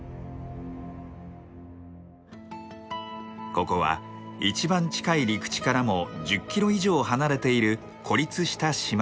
ここは一番近い陸地からも１０キロ以上離れている孤立した島々。